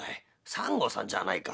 サンゴさんじゃないか。